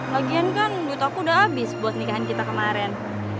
lagian kan duit aku udah abis buat nikahan kita kemarin